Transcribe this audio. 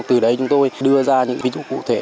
từ đấy chúng tôi đưa ra những ví dụ cụ thể